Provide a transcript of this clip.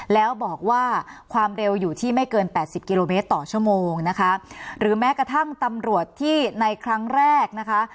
แล้วบอกว่าความเร็วอยู่ที่ไม่เกินแปดสิบกิโลเมตรต่อชั่วโมงนะคะหรือแม้กระทั่งตำรวจที่ในครั้งแรกนะคะ